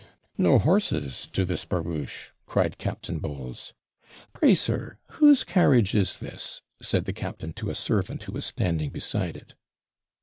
'No horses to this barouche!' cried Captain Bowles. 'Pray, sir, whose carriage is this?' said the captain to a servant who was standing beside it.